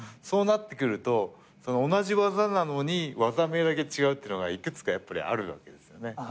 そうなってくると同じ技なのに技名だけ違うっていうのがいくつかやっぱりあるわけですよね。